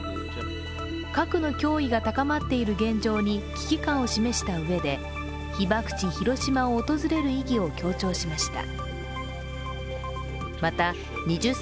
核の脅威が高まっている現状に危機感を示したうえで被爆地・広島を訪れる意義を強調しました。